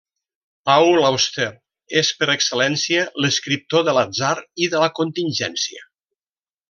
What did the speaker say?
Paul Auster és, per excel·lència, l'escriptor de l'atzar i de la contingència.